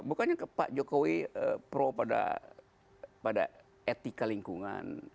bukannya pak jokowi pro pada etika lingkungan